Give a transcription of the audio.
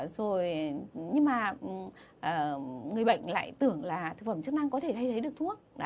rồi nhưng mà người bệnh lại tưởng là thực phẩm chức năng có thể thay thế được thuốc